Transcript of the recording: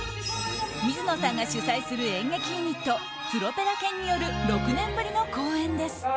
水野さんが主宰する演劇ユニットプロペラ犬による６年ぶりの公演です。